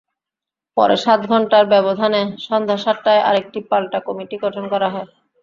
পরে সাত ঘণ্টার ব্যবধানে সন্ধ্যা সাতটায় আরেকটি পাল্টা কমিটি গঠন করা হয়।